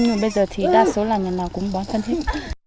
nhưng bây giờ thì đa số là nhà nào cũng bón phân hết